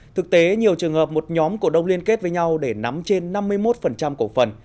thực tế nhiều trường hợp một nhóm cổ đông liên kết với nhau để nắm trên năm mươi một cổ phần